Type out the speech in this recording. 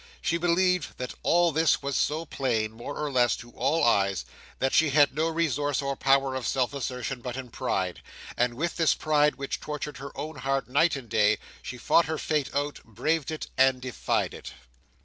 She believed that all this was so plain, more or less, to all eyes, that she had no resource or power of self assertion but in pride: and with this pride, which tortured her own heart night and day, she fought her fate out, braved it, and defied it.